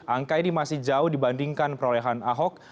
angka ini masih jauh dibandingkan perolehan ahok